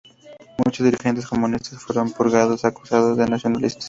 Muchos dirigentes comunistas fueron purgados acusados de nacionalistas.